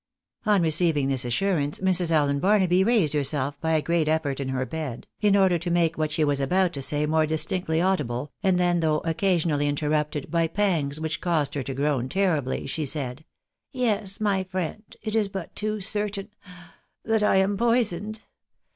On receiving this assurance, Mrs. Allen Barnaby raised herself by a great effort in her bed, in order to make what she was about to say more distinctly audible, and then, though occasionally inter rupted by pangs which caused her to groan terribly, she said —" Yes, my friend, it is but too certain that I am poisoned.